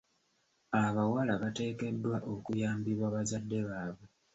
Abawala bateekeddwa okuyambibwa bazadde baabwe.